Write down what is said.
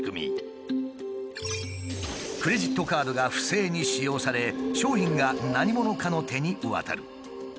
クレジットカードが不正に使用され商品が何者かの手に渡る。